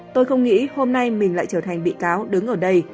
tôi không nghĩ hôm nay mình lại trở thành bị cáo đứng ở đây